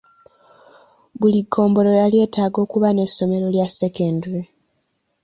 Buli ggombolola lyetaaga okuba n'essomero lya ssekendule.